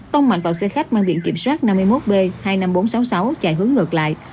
tông mạnh vào xe khách mang biển kiểm soát năm mươi một b hai mươi năm nghìn bốn trăm sáu mươi sáu chạy hướng ngược lại